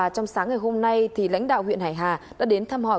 trong sáng ngày hôm nay lãnh đạo huyện hải hà đã đến thăm hỏi